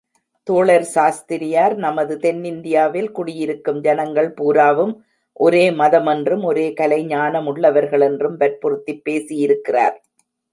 தோழர் சாஸ்திரியார் நமது தென்னிந்தியாவில் குடியிருக்கும் ஜனங்கள் பூராவும் ஒரே மதமென்றும், ஒரே கலைஞானமுள்ளவர்கள் என்றும் வற்புறுத்திப் பேசியிருக்கிறார்.